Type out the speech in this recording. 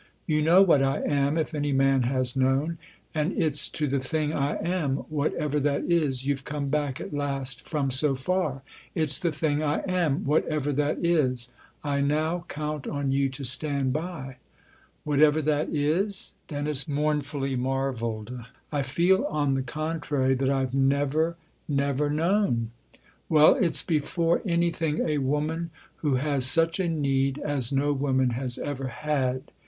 " You know what I am, if any man has known, and it's to the thing I am whatever that is you've come back at last from so far. It's the thing I am whatever that is I now count on you to stand by." " Whatever that is ?" Dennis mournfully mar 272 THE OTHER HOUSE veiled. " I feel, on the contrary, that I've never, never known !" "Well, it's before anything a woman who has such a need as no woman has ever had."